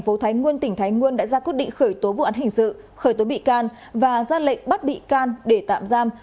bộ thái nguân tỉnh thái nguân đã ra quyết định khởi tố vụ án hình sự khởi tố bị can và ra lệnh bắt bị can để tạm giam